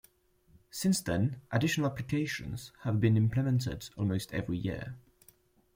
Since then, additional applications have been implemented almost every year.